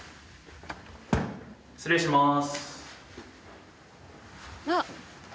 失礼します。